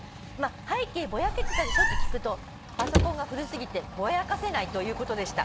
「『背景ぼやけてたでしょ？』と聞くとパソコンが古過ぎてぼやかせないということでした」